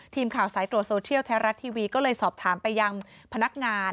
ทีมข่าวสายตรวจโซเทียลไทยรัฐทีวีก็เลยสอบถามไปยังพนักงาน